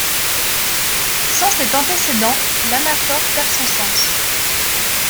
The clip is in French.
Sans cet antécédent, l'anaphore perd son sens.